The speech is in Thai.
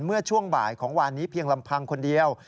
เมื่อช่วงบ่ายของวานนี้เพียงลำพังคนเดียว